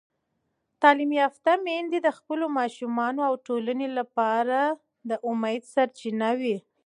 تعلیم یافته میندې د خپلو ماشومانو او ټولنې لپاره د امید سرچینه وي.